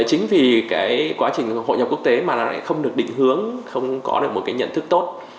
chính vì cái quá trình hội nhập quốc tế mà nó lại không được định hướng không có được một cái nhận thức tốt